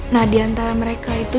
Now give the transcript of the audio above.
nah di antara mereka itu